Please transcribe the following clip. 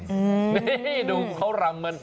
นี่ดูเขารำมัน